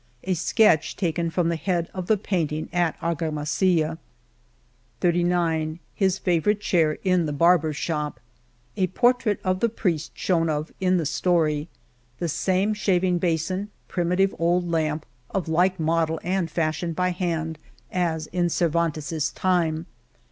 A sketch taken from the head of the painting at ArgamasUla, .• J7 " His favorite chair in the barber'* s shop'* A portrait of the priest spoken of in the story ; the same shav ing basin, primitive old lamp, of like model and fashioned by hand as in Cervantes^ s time.